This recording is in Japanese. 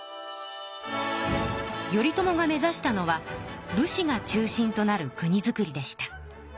頼朝が目ざしたのは武士が中心となる国づくりでした。